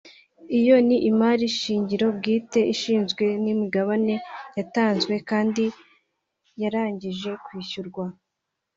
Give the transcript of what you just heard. Iyo ni Imari shingiro bwite igizwe n’imigabane yatanzwe kandi yarangije kwishyurwa